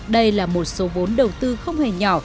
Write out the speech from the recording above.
đây là một số vốn đầu tư không hề nhỏ